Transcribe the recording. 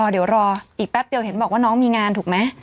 เดี๋ยวรออีกแป๊บเดียวเห็นบอกว่าน้องมีงานถูกไหม